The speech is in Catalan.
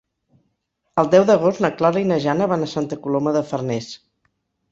El deu d'agost na Clara i na Jana van a Santa Coloma de Farners.